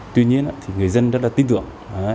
tuy nhiên là người dân rất là tin tưởng